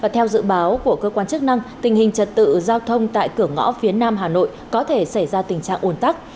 theo dự báo của cơ quan chức năng tình hình trật tự giao thông tại cửa ngõ phía nam hà nội có thể xảy ra tình trạng ồn tắc